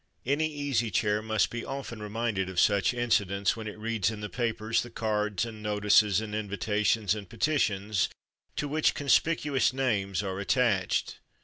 Any Easy Chair must be often reminded of such incidents when it reads in the papers the cards and notices and invitations and petitions to which conspicuous names are attached.